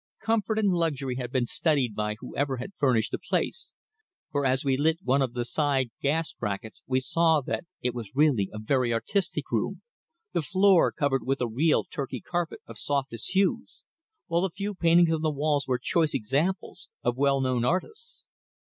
Comfort and luxury had been studied by whoever had furnished the place, for as we lit one of the side gas brackets we saw that it was really a very artistic room, the floor covered with a real Turkey carpet of softest hues, while the few paintings on the walls were choice examples of well known artists.